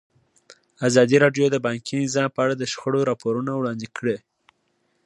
ازادي راډیو د بانکي نظام په اړه د شخړو راپورونه وړاندې کړي.